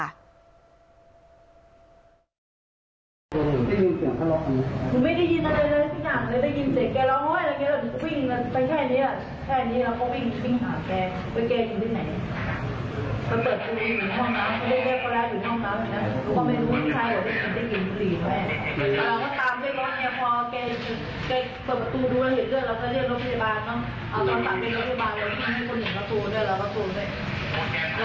แล้วแกหนูสำรวจดูก็เห็นเรื่องเราประดับรับพยาบาลวะ